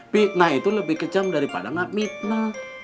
fitna itu lebih kejam daripada gak fitna